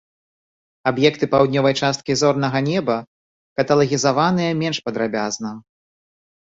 Аб'екты паўднёвай часткі зорнага неба каталагізаваныя менш падрабязна.